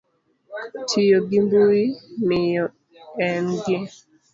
Tiyo gi mbui, miyo ng